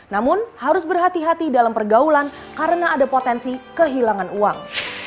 namun harus berhati hati dalam pergaulan karena ada potensi kehilangan uang